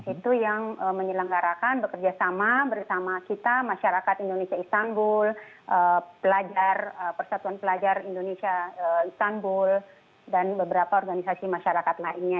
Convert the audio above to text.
itu yang menyelenggarakan bekerja sama bersama kita masyarakat indonesia istanbul persatuan pelajar indonesia istanbul dan beberapa organisasi masyarakat lainnya